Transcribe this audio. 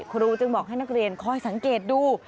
ครูจึงบอกให้นักเรียนคอยสังเกตดู